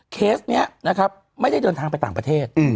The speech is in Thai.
เคสนี้นะครับไม่ได้เดินทางไปต่างประเทศ